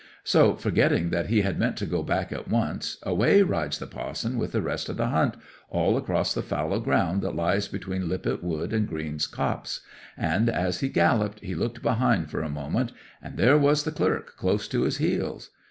So, forgetting that he had meant to go back at once, away rides the pa'son with the rest o' the hunt, all across the fallow ground that lies between Lippet Wood and Green's Copse; and as he galloped he looked behind for a moment, and there was the clerk close to his heels.